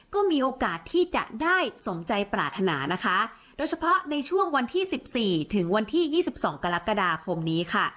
ก็มีโอกาสที่จะได้สมใจปรารถนานะคะโดยเฉพาะในช่วงวันที่สิบสี่ถึงวันที่ยี่สิบสองกรกฎาคมนี้ค่ะ